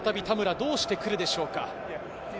どうして来るでしょうか。